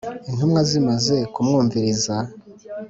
intumwa zimaze kumwumviriza,